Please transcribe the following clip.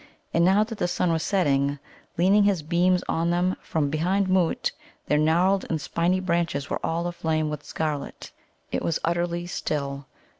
And now that the sun was setting, leaning his beams on them from behind Mōōt, their gnarled and spiny branches were all aflame with scarlet. It was utterly still.